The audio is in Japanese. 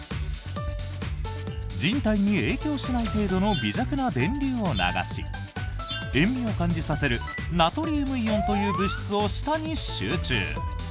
人体に影響しない程度の微弱な電流を流し塩味を感じさせるナトリウムイオンという物質を舌に集中。